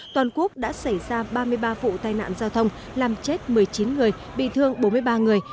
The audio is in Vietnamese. toàn quốc đã xảy ra ba mươi ba vụ tai nạn giao thông làm chết một mươi chín người bị thương bốn mươi ba người